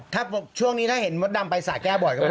ช่วงนิดนี่ถ้าเห็นมดดำไปสะแก้บ่อยครับ